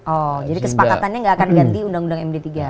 oh jadi kesepakatannya nggak akan ganti undang undang md tiga